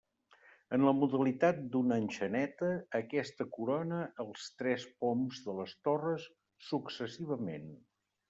En la modalitat d'una enxaneta, aquesta corona els tres poms de les torres successivament.